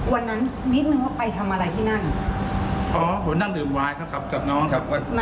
วันนั้นนิดนึงว่าไปทำอะไรที่นั่นอ๋อผมนั่งดื่มวายครับครับกับน้องครับ